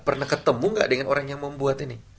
pernah ketemu gak dengan orang yang membuat ini